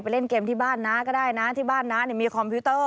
เล่นเกมที่บ้านน้าก็ได้นะที่บ้านน้ามีคอมพิวเตอร์